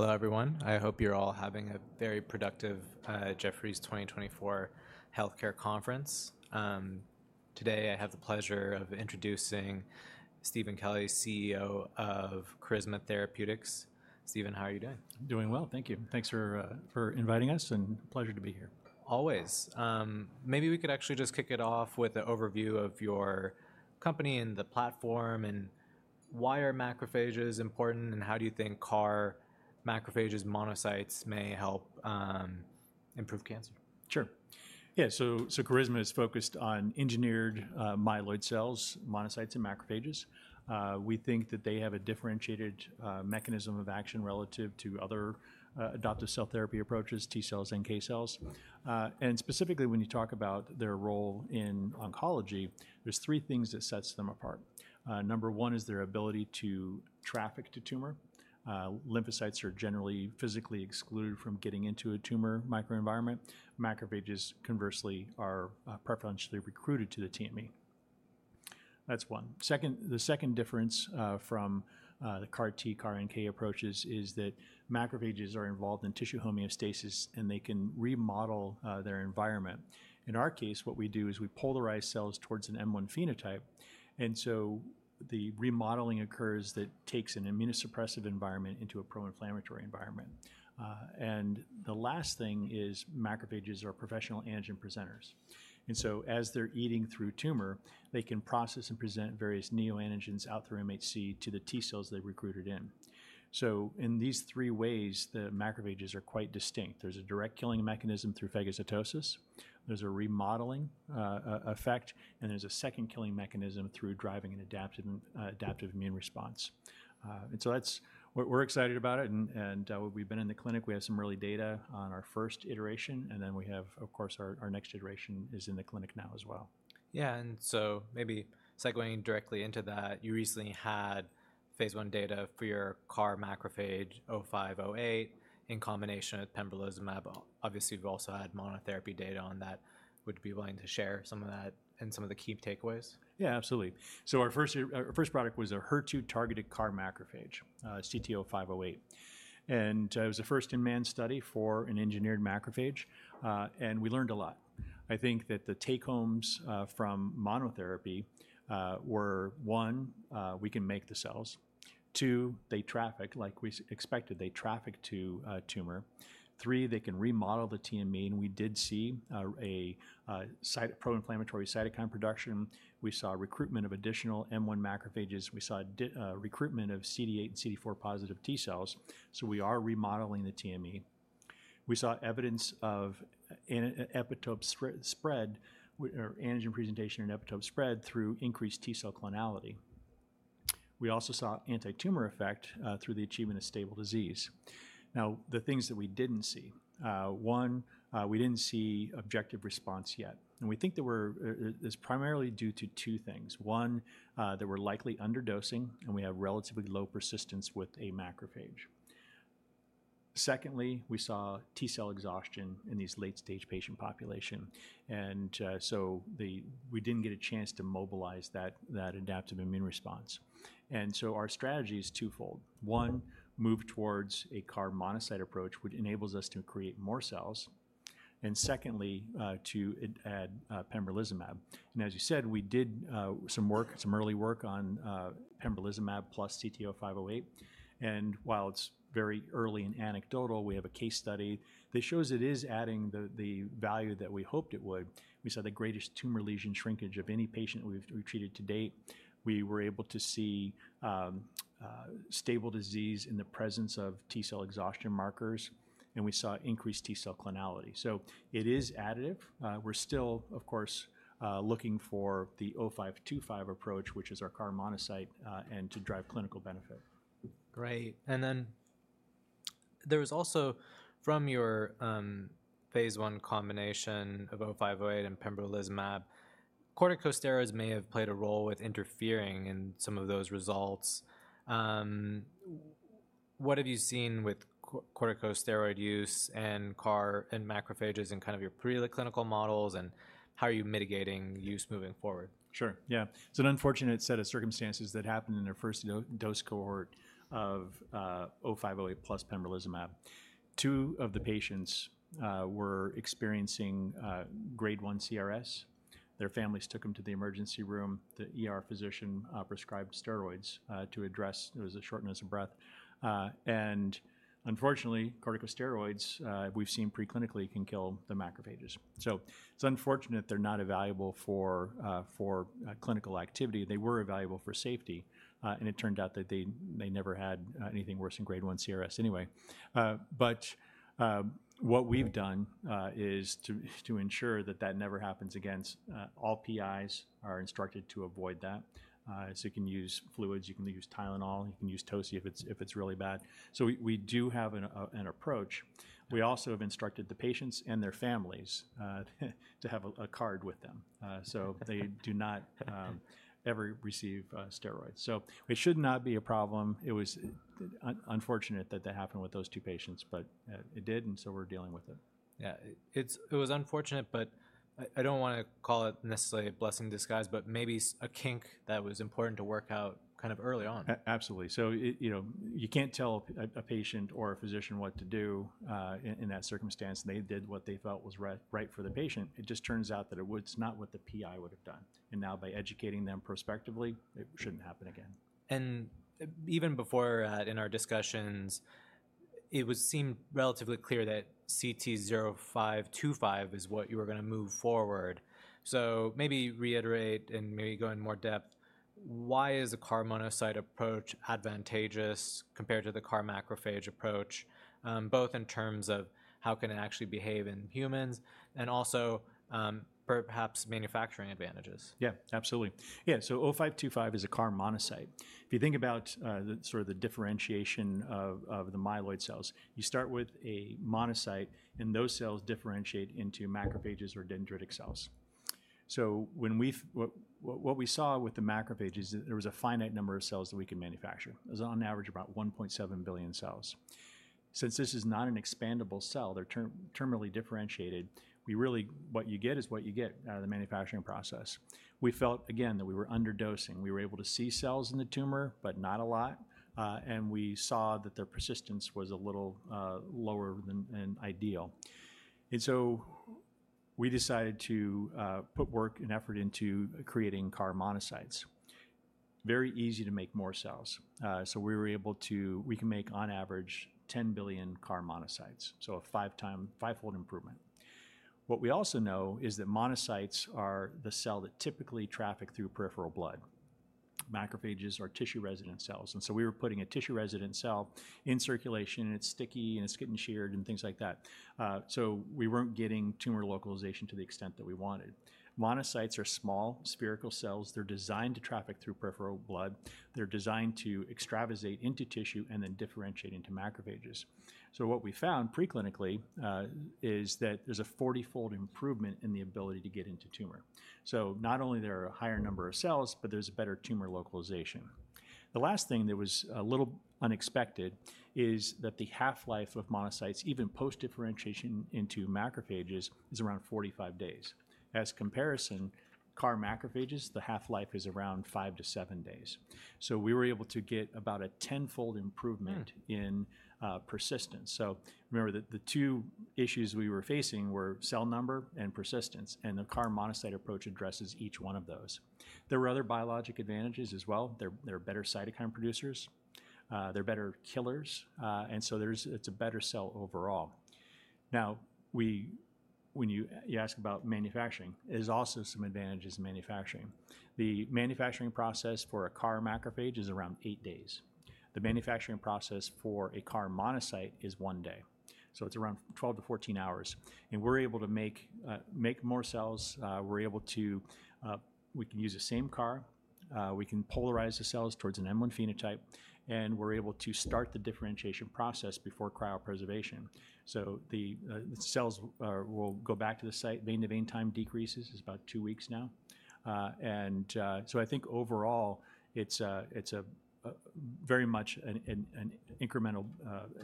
Hello, everyone. I hope you're all having a very productive Jefferies 2024 Healthcare Conference. Today, I have the pleasure of introducing Steven Kelly, CEO of Carisma Therapeutics. Steven, how are you doing? Doing well, thank you. Thanks for inviting us, and a pleasure to be here. Always. Maybe we could actually just kick it off with an overview of your company and the platform, and why are macrophages important, and how do you think CAR macrophages monocytes may help improve cancer? Sure. Yeah, so Carisma is focused on engineered myeloid cells, monocytes, and macrophages. We think that they have a differentiated mechanism of action relative to other adaptive cell therapy approaches, T cells and K cells. And specifically, when you talk about their role in oncology, there's three things that set them apart. Number one is their ability to traffic to tumor. Lymphocytes are generally physically excluded from getting into a tumor microenvironment. Macrophages, conversely, are preferentially recruited to the TME. That's one. The second difference from the CAR-T, CAR-NK approaches is that macrophages are involved in tissue homeostasis, and they can remodel their environment. In our case, what we do is we polarize cells towards an M1 phenotype. And so the remodeling occurs that takes an immunosuppressive environment into a pro-inflammatory environment. And the last thing is macrophages are professional antigen presenters. And so as they're eating through tumor, they can process and present various neoantigens out through MHC to the T cells they recruited in. So in these three ways, the macrophages are quite distinct. There's a direct killing mechanism through phagocytosis. There's a remodeling effect. And there's a second killing mechanism through driving an adaptive immune response. And so we're excited about it. And we've been in the clinic. We have some early data on our first iteration. And then we have, of course, our next iteration is in the clinic now as well. Yeah, and so maybe segueing directly into that, you recently had phase 1 data for your CT-0508 in combination with pembrolizumab. Obviously, we've also had monotherapy data on that. Would you be willing to share some of that and some of the key takeaways? Yeah, absolutely. So our first product was a HER2-targeted CAR macrophage, CT-0508. And it was a first-in-man study for an engineered macrophage. And we learned a lot. I think that the takeaways from monotherapy were, one, we can make the cells. Two, they traffic, like we expected, they traffic to tumor. Three, they can remodel the TME. And we did see a pro-inflammatory cytokine production. We saw recruitment of additional M1 macrophages. We saw recruitment of CD8 and CD4 positive T cells. So we are remodeling the TME. We saw evidence of epitope spread or antigen presentation and epitope spread through increased T cell clonality. We also saw anti-tumor effect through the achievement of stable disease. Now, the things that we didn't see, one, we didn't see objective response yet. And we think that it's primarily due to two things. One, that we're likely underdosing, and we have relatively low persistence with a macrophage. Secondly, we saw T cell exhaustion in this late-stage patient population. And so we didn't get a chance to mobilize that adaptive immune response. And so our strategy is twofold. One, move towards a CAR monocyte approach, which enables us to create more cells. And secondly, to add pembrolizumab. And as you said, we did some work, some early work on pembrolizumab plus CT-0508. And while it's very early and anecdotal, we have a case study that shows it is adding the value that we hoped it would. We saw the greatest tumor lesion shrinkage of any patient we've treated to date. We were able to see stable disease in the presence of T cell exhaustion markers. And we saw increased T cell clonality. So it is additive. We're still, of course, looking for the 0525 approach, which is our CAR monocyte, and to drive clinical benefit. Great. And then there was also from your phase 1 combination of CT-0508 and pembrolizumab, corticosteroids may have played a role with interfering in some of those results. What have you seen with corticosteroid use and CAR and macrophages in kind of your preclinical models, and how are you mitigating use moving forward? Sure, yeah. It's an unfortunate set of circumstances that happened in our first dose cohort of 0508 plus pembrolizumab. 2 of the patients were experiencing grade 1 CRS. Their families took them to the emergency room. The physician prescribed steroids to address it. It was a shortness of breath. And unfortunately, corticosteroids, we've seen pre-clinically, can kill the macrophages. So it's unfortunate they're not available for clinical activity. They were available for safety. And it turned out that they never had anything worse than grade 1 CRS anyway. But what we've done is to ensure that that never happens again. All PIs are instructed to avoid that. So you can use fluids. You can use Tylenol. You can use Toci if it's really bad. So we do have an approach. We also have instructed the patients and their families to have a card with them. So they do not ever receive steroids. So it should not be a problem. It was unfortunate that that happened with those two patients, but it did. And so we're dealing with it. Yeah, it was unfortunate, but I don't want to call it necessarily a blessing in disguise, but maybe a kink that was important to work out kind of early on. Absolutely. So you can't tell a patient or a physician what to do in that circumstance. They did what they felt was right for the patient. It just turns out that it's not what the PI would have done. And now by educating them prospectively, it shouldn't happen again. Even before in our discussions, it seemed relatively clear that CT-0525 is what you were going to move forward. Maybe reiterate and maybe go in more depth. Why is a CAR-monocyte approach advantageous compared to the CAR-macrophage approach, both in terms of how can it actually behave in humans and also perhaps manufacturing advantages? Yeah, absolutely. Yeah, so 0525 is a CAR monocyte. If you think about sort of the differentiation of the myeloid cells, you start with a monocyte, and those cells differentiate into macrophages or dendritic cells. So what we saw with the macrophages is there was a finite number of cells that we can manufacture. It was on average about 1.7 billion cells. Since this is not an expandable cell, they're terminally differentiated. What you get is what you get out of the manufacturing process. We felt, again, that we were underdosing. We were able to see cells in the tumor, but not a lot. And we saw that their persistence was a little lower than ideal. And so we decided to put work and effort into creating CAR monocytes. Very easy to make more cells. So we were able to, we can make on average 10 billion CAR monocytes. So a 5-fold improvement. What we also know is that monocytes are the cell that typically traffic through peripheral blood. Macrophages are tissue resident cells. And so we were putting a tissue resident cell in circulation, and it's sticky, and it's getting sheared, and things like that. So we weren't getting tumor localization to the extent that we wanted. Monocytes are small spherical cells. They're designed to traffic through peripheral blood. They're designed to extravasate into tissue and then differentiate into macrophages. So what we found pre-clinically is that there's a 40-fold improvement in the ability to get into tumor. So not only are there a higher number of cells, but there's better tumor localization. The last thing that was a little unexpected is that the half-life of monocytes, even post-differentiation into macrophages, is around 45 days. As comparison, CAR macrophages, the half-life is around 5-7 days. So we were able to get about a tenfold improvement in persistence. So remember that the two issues we were facing were cell number and persistence. And the CAR monocyte approach addresses each one of those. There were other biologic advantages as well. They're better cytokine producers. They're better killers. And so it's a better cell overall. Now, when you ask about manufacturing, there's also some advantages in manufacturing. The manufacturing process for a CAR macrophage is around eight days. The manufacturing process for a CAR monocyte is one day. So it's around 12-14 hours. And we're able to make more cells. We're able to, we can use the same CAR. We can polarize the cells towards an M1 phenotype. And we're able to start the differentiation process before cryopreservation. So the cells will go back to the site. Vein-to-vein time decreases is about two weeks now. I think overall, it's very much an incremental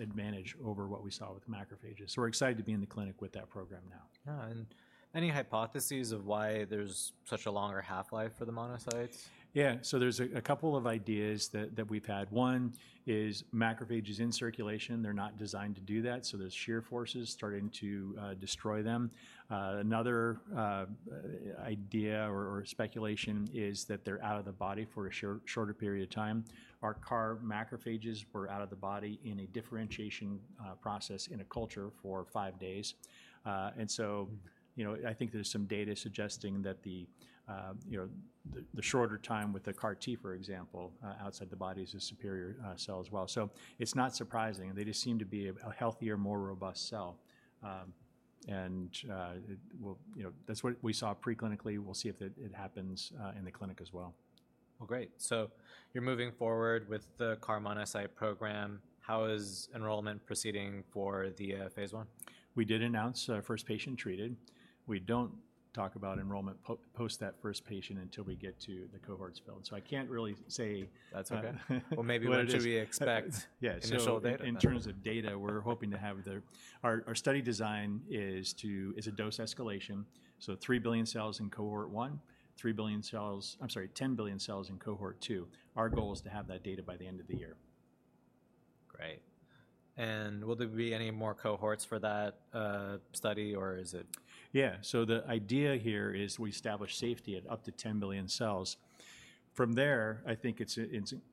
advantage over what we saw with macrophages. We're excited to be in the clinic with that program now. Yeah, and any hypotheses of why there's such a longer half-life for the monocytes? Yeah, so there's a couple of ideas that we've had. One is macrophages in circulation, they're not designed to do that. So there's shear forces starting to destroy them. Another idea or speculation is that they're out of the body for a shorter period of time. Our CAR macrophages were out of the body in a differentiation process in a culture for five days. And so I think there's some data suggesting that the shorter time with the CAR-T, for example, outside the body is a superior cell as well. So it's not surprising. They just seem to be a healthier, more robust cell. And that's what we saw pre-clinically. We'll see if it happens in the clinic as well. Well, great. So you're moving forward with the CAR monocyte program. How is enrollment proceeding for the phase 1? We did announce first patient treated. We don't talk about enrollment post that first patient until we get to the cohorts filled. So I can't really say. That's okay. Well, maybe we'll just expect initial data. Yeah, so in terms of data, we're hoping to have our study design is a dose escalation. So 3 billion cells in cohort one, 3 billion cells, I'm sorry, 10 billion cells in cohort two. Our goal is to have that data by the end of the year. Great. Will there be any more cohorts for that study, or is it? Yeah, so the idea here is we establish safety at up to 10 billion cells. From there, I think it's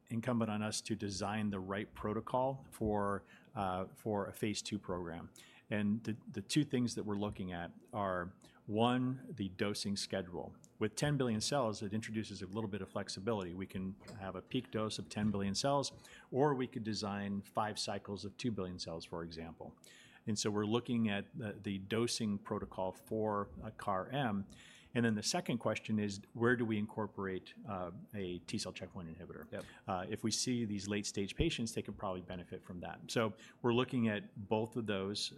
incumbent on us to design the right protocol for a phase two program. The two things that we're looking at are, one, the dosing schedule. With 10 billion cells, it introduces a little bit of flexibility. We can have a peak dose of 10 billion cells, or we could design five cycles of 2 billion cells, for example. So we're looking at the dosing protocol for CAR-M. Then the second question is, where do we incorporate a T cell checkpoint inhibitor? If we see these late-stage patients, they can probably benefit from that. So we're looking at both of those.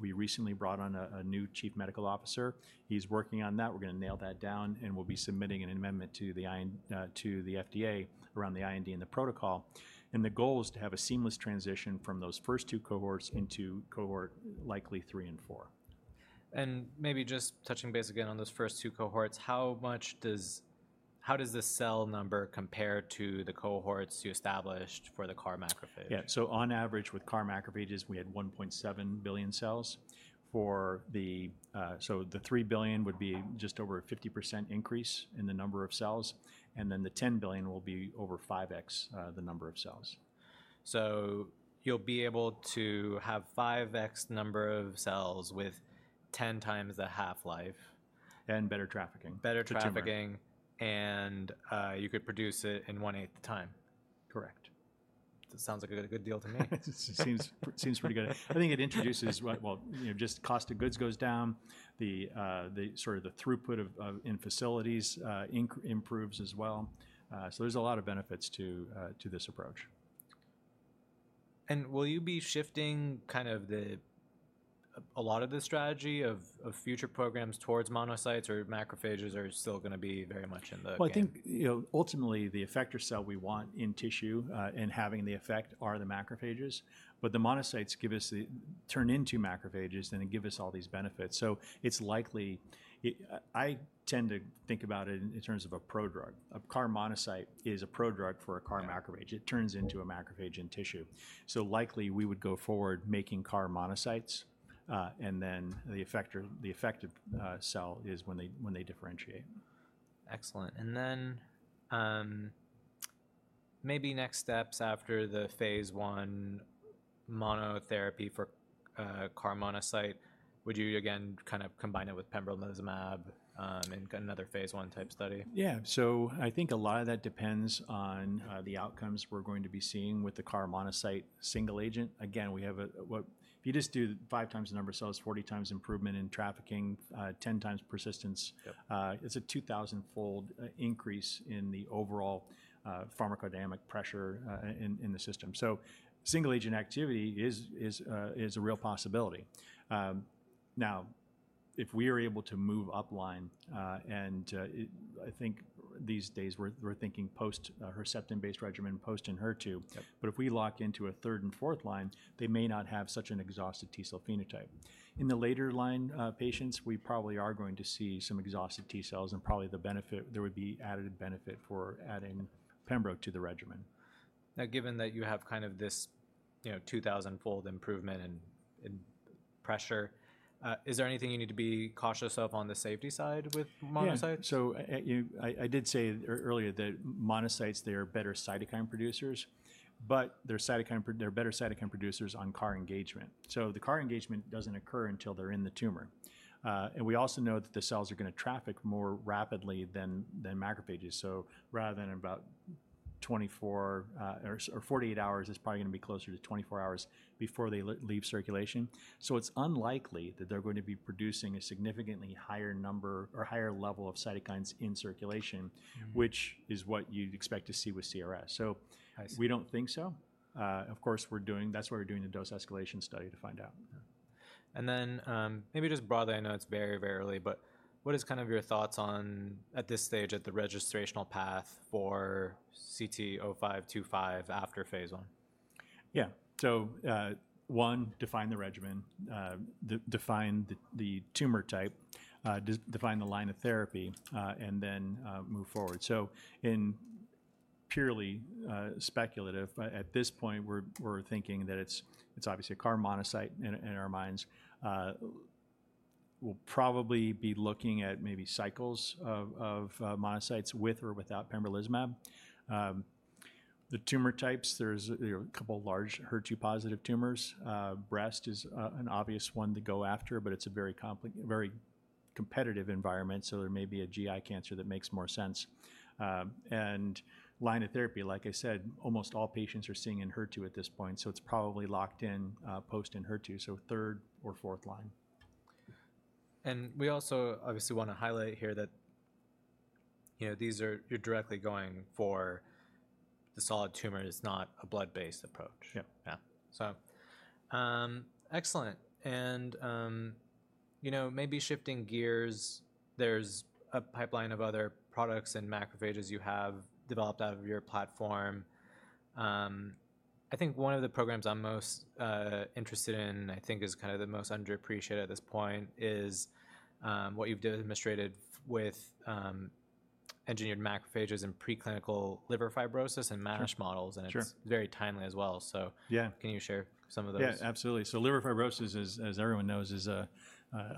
We recently brought on a new chief medical officer. He's working on that. We're going to nail that down. We'll be submitting an amendment to the FDA around the IND and the protocol. The goal is to have a seamless transition from those first two cohorts into cohort likely three and four. Maybe just touching base again on those first two cohorts, how does the cell number compare to the cohorts you established for the CAR macrophage? Yeah, so on average with CAR macrophages, we had 1.7 billion cells, so the 3 billion would be just over a 50% increase in the number of cells. And then the 10 billion will be over 5x the number of cells. So you'll be able to have 5x the number of cells with 10x the half-life. Better trafficking. Better trafficking. You could produce it in one-eighth the time. Correct. That sounds like a good deal to me. It seems pretty good. I think it introduces, well, just cost of goods goes down. Sort of the throughput in facilities improves as well. So there's a lot of benefits to this approach. Will you be shifting kind of a lot of the strategy of future programs toward monocytes or macrophages or still going to be very much in the? Well, I think ultimately the effector cell we want in tissue and having the effect are the macrophages. But the monocytes turn into macrophages and give us all these benefits. So it's likely, I tend to think about it in terms of a prodrug. A CAR monocyte is a prodrug for a CAR macrophage. It turns into a macrophage in tissue. So likely we would go forward making CAR monocytes. And then the effector cell is when they differentiate. Excellent. And then maybe next steps after the phase one monotherapy for CAR monocyte, would you again kind of combine it with pembrolizumab and get another phase one type study? Yeah, so I think a lot of that depends on the outcomes we're going to be seeing with the CAR monocyte single agent. Again, if you just do 5 times the number of cells, 40 times improvement in trafficking, 10 times persistence, it's a 2,000-fold increase in the overall pharmacodynamic pressure in the system. So single agent activity is a real possibility. Now, if we are able to move upline, and I think these days we're thinking post-Herceptin-based regimen, post-Herceptin, but if we lock into a third- and fourth-line, they may not have such an exhausted T cell phenotype. In the later-line patients, we probably are going to see some exhausted T cells and probably there would be added benefit for adding Pembro to the regimen. Now, given that you have kind of this 2,000-fold improvement in pressure, is there anything you need to be cautious of on the safety side with monocytes? Yeah, so I did say earlier that monocytes, they are better cytokine producers, but they're better cytokine producers on CAR engagement. So the CAR engagement doesn't occur until they're in the tumor. And we also know that the cells are going to traffic more rapidly than macrophages. So rather than about 24 or 48 hours, it's probably going to be closer to 24 hours before they leave circulation. So it's unlikely that they're going to be producing a significantly higher number or higher level of cytokines in circulation, which is what you'd expect to see with CRS. So we don't think so. Of course, that's why we're doing the dose escalation study to find out. Then maybe just broadly, I know it's very, very early, but what is kind of your thoughts on, at this stage, the registrational path for CT-0525 after phase 1? Yeah, so one, define the regimen, define the tumor type, define the line of therapy, and then move forward. So in purely speculative, at this point, we're thinking that it's obviously a CAR-Monocyte in our minds. We'll probably be looking at maybe cycles of monocytes with or without pembrolizumab. The tumor types, there's a couple of large HER2-positive tumors. Breast is an obvious one to go after, but it's a very competitive environment. So there may be a GI cancer that makes more sense. And line of therapy, like I said, almost all patients are seeing in HER2 at this point. So it's probably locked in post-Herceptin, so third or fourth line. We also obviously want to highlight here that these are; you're directly going for the solid tumors, not a blood-based approach. Yeah. Yeah, so excellent. And maybe shifting gears, there's a pipeline of other products and macrophages you have developed out of your platform. I think one of the programs I'm most interested in, I think is kind of the most underappreciated at this point, is what you've demonstrated with engineered macrophages and pre-clinical liver fibrosis and MASH models. And it's very timely as well. So can you share some of those? Yeah, absolutely. So liver fibrosis, as everyone knows, is a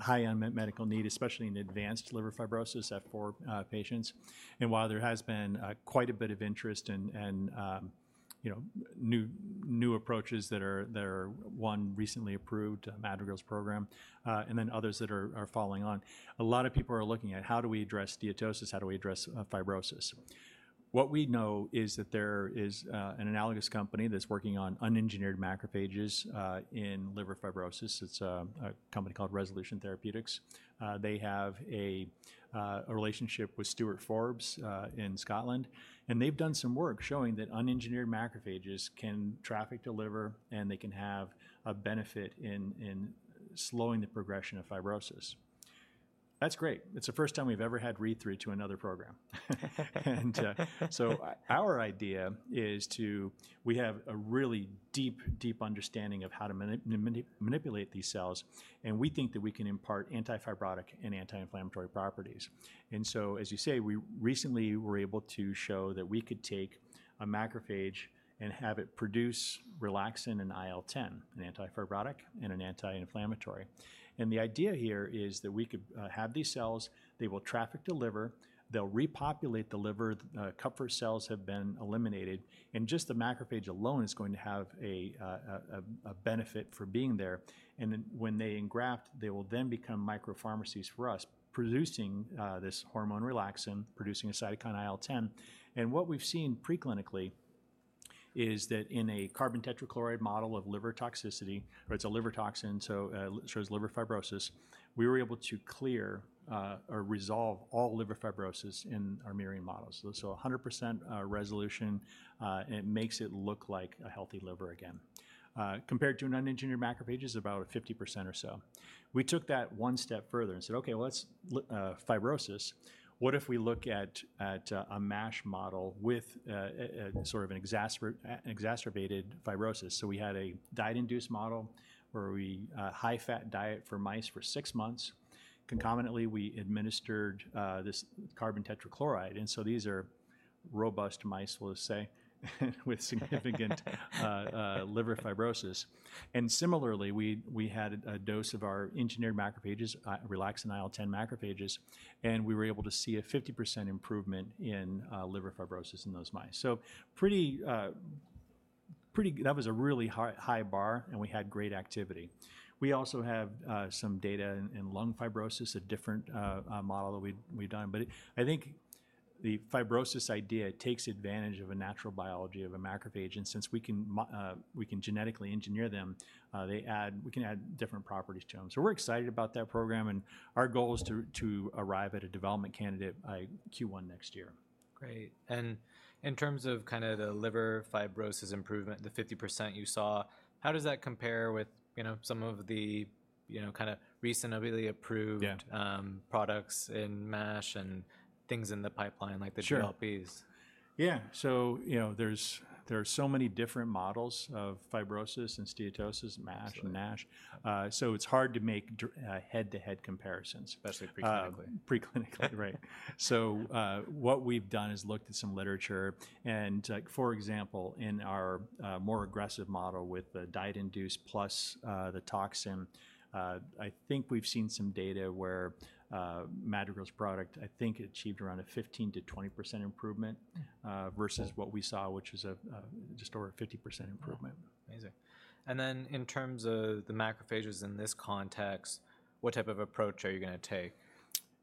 high unmet medical need, especially in advanced liver fibrosis in F4 patients. And while there has been quite a bit of interest and new approaches that are in recently approved advanced programs and then others that are following on, a lot of people are looking at how do we address steatosis, how do we address fibrosis. What we know is that there is an analogous company that's working on unengineered macrophages in liver fibrosis. It's a company called Resolution Therapeutics. They have a relationship with Stuart Forbes in Scotland. And they've done some work showing that unengineered macrophages can traffic to liver and they can have a benefit in slowing the progression of fibrosis. That's great. It's the first time we've ever had read-through to another program. So our idea is to, we have a really deep, deep understanding of how to manipulate these cells. We think that we can impart antifibrotic and anti-inflammatory properties. So as you say, we recently were able to show that we could take a macrophage and have it produce Relaxin and IL-10, an antifibrotic and an anti-inflammatory. The idea here is that we could have these cells, they will traffic to liver, they'll repopulate the liver, Kupffer cells have been eliminated. Just the macrophage alone is going to have a benefit for being there. When they engraft, they will then become micropharmacies for us, producing this hormone Relaxin, producing a cytokine IL-10. What we've seen preclinically is that in a carbon tetrachloride model of liver toxicity, or it's a liver toxin, so it shows liver fibrosis, we were able to clear or resolve all liver fibrosis in our murine models. 100% resolution, it makes it look like a healthy liver again. Compared to an unengineered macrophage is about 50% or so. We took that one step further and said, okay, well, fibrosis, what if we look at a MASH model with sort of an exacerbated fibrosis? We had a diet-induced model where we high-fat diet for mice for six months. Concomitantly, we administered this carbon tetrachloride. These are robust mice, we'll say, with significant liver fibrosis. Similarly, we had a dose of our engineered macrophages, relaxin IL-10 macrophages, and we were able to see a 50% improvement in liver fibrosis in those mice. So that was a really high bar and we had great activity. We also have some data in lung fibrosis, a different model that we've done. But I think the fibrosis idea takes advantage of a natural biology of a macrophage. And since we can genetically engineer them, we can add different properties to them. So we're excited about that program. And our goal is to arrive at a development candidate by Q1 next year. Great. And in terms of kind of the liver fibrosis improvement, the 50% you saw, how does that compare with some of the kind of recently approved products in MASH and things in the pipeline like the GLPs? Yeah, so there are so many different models of fibrosis and steatosis, MASH and NASH. It's hard to make head-to-head comparisons, especially pre-clinically. Pre-clinically, right. What we've done is looked at some literature. For example, in our more aggressive model with the diet-induced plus the toxin, I think we've seen some data where Madrigal's product, I think, achieved around a 15%-20% improvement versus what we saw, which was just over a 50% improvement. Amazing. And then in terms of the macrophages in this context, what type of approach are you going to take?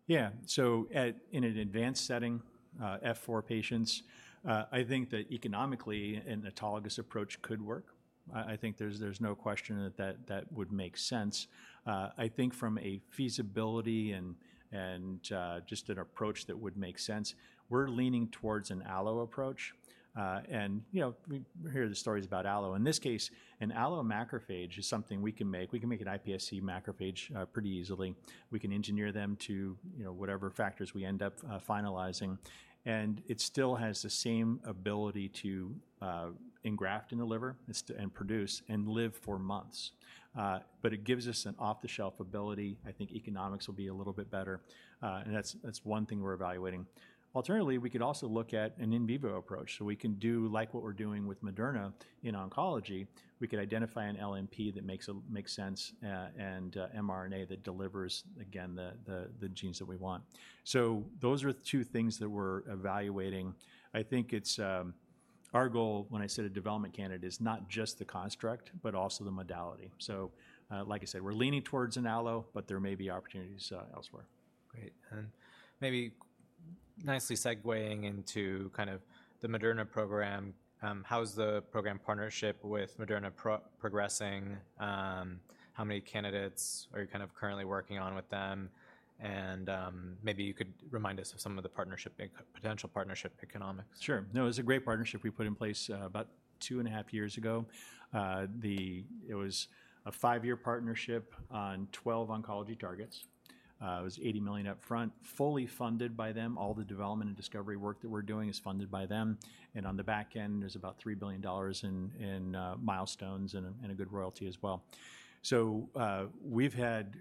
Yeah, so in an advanced setting, F4 patients, I think that economically an autologous approach could work. I think there's no question that that would make sense. I think from a feasibility and just an approach that would make sense, we're leaning towards an allo approach. And we hear the stories about allo. In this case, an allo macrophage is something we can make. We can make an iPSC macrophage pretty easily. We can engineer them to whatever factors we end up finalizing. And it still has the same ability to engraft in the liver and produce and live for months. But it gives us an off-the-shelf ability. I think economics will be a little bit better. And that's one thing we're evaluating. Alternatively, we could also look at an in vivo approach. So we can do like what we're doing with Moderna in oncology. We could identify an LNP that makes sense and mRNA that delivers, again, the genes that we want. So those are two things that we're evaluating. I think our goal, when I say the development candidate, is not just the construct, but also the modality. So like I said, we're leaning towards an allo, but there may be opportunities elsewhere. Great. And maybe nicely segueing into kind of the Moderna program, how's the program partnership with Moderna progressing? How many candidates are you kind of currently working on with them? And maybe you could remind us of some of the potential partnership economics? Sure. No, it was a great partnership we put in place about 2.5 years ago. It was a 5-year partnership on 12 oncology targets. It was $80 million upfront, fully funded by them. All the development and discovery work that we're doing is funded by them. And on the back end, there's about $3 billion in milestones and a good royalty as well. So we've had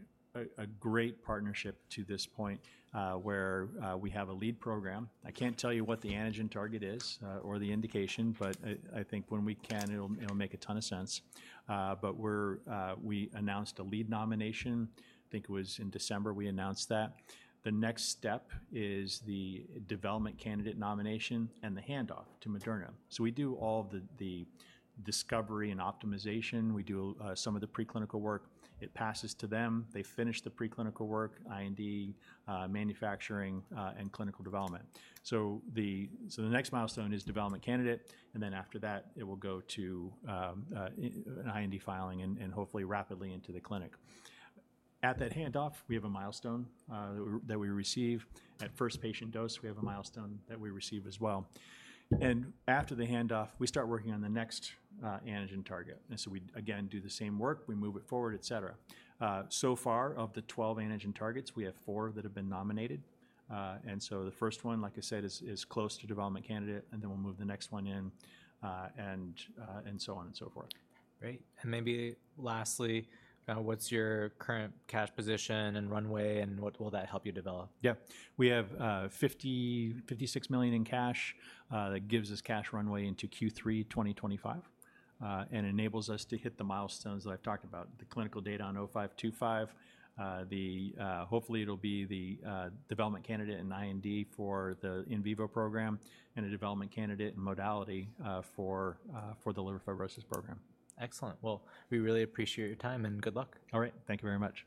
a great partnership to this point where we have a lead program. I can't tell you what the antigen target is or the indication, but I think when we can, it'll make a ton of sense. But we announced a lead nomination. I think it was in December we announced that. The next step is the development candidate nomination and the handoff to Moderna. So we do all the discovery and optimization. We do some of the pre-clinical work. It passes to them. They finish the pre-clinical work, IND, manufacturing, and clinical development. So the next milestone is development candidate. And then after that, it will go to an IND filing and hopefully rapidly into the clinic. At that handoff, we have a milestone that we receive. At first patient dose, we have a milestone that we receive as well. And after the handoff, we start working on the next antigen target. And so we again do the same work. We move it forward, et cetera. So far of the 12 antigen targets, we have four that have been nominated. And so the first one, like I said, is close to development candidate. And then we'll move the next one in and so on and so forth. Great. Maybe lastly, what's your current cash position and runway and what will that help you develop? Yeah, we have $56 million in cash that gives us cash runway into Q3 2025 and enables us to hit the milestones that I've talked about, the clinical data on CT-0525. Hopefully, it'll be the development candidate in IND for the in vivo program and a development candidate in modality for the liver fibrosis program. Excellent. Well, we really appreciate your time and good luck. All right. Thank you very much.